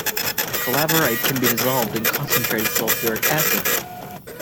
Calaverite can be dissolved in concentrated sulfuric acid.